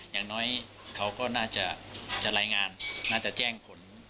อย่างน้อยเขาก็น่าจะรายงานน่าจะแจ้งผล